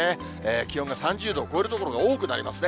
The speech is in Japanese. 気温が３０度を超える所が多くなりますね。